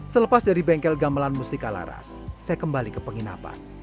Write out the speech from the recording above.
selepas dari bengkel gamelan mustika laras saya kembali ke penginapan